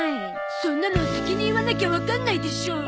そんなの先に言わなきゃわかんないでしょ。